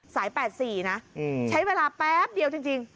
สาย๘๔นะใช้เวลาแป๊บเดียวจริง